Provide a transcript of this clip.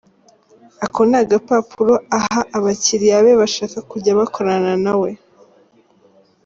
Ako ni agapapuro aha abakiliya be bashaka kujya bakorana na we.